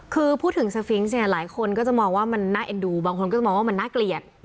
คือพูดถึงสฟิงส์เนี่ยหลายคนก็จะมองว่ามันน่าเอ็นดูบางคนก็จะมองว่ามันน่าเกลียด